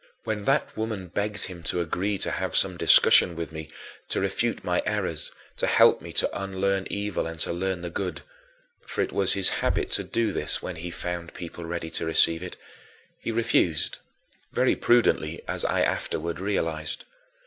When that woman had begged him to agree to have some discussion with me, to refute my errors, to help me to unlearn evil and to learn the good for it was his habit to do this when he found people ready to receive it he refused, very prudently, as I afterward realized.